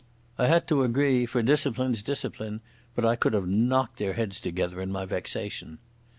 I had to agree, for discipline's discipline, but I could have knocked their heads together in my vexation.